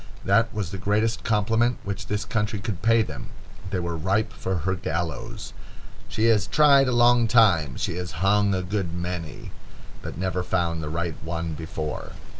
That was the greatest compliment which this country could pay them. They were ripe for her gallows. She has tried a long time, she has hung a good many, but never found the right one before.